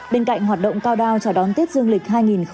bên cạnh hoạt động cao đao chào đón tết dương lịch hai nghìn hai mươi bốn